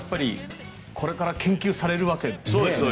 これから研究されるわけですよね。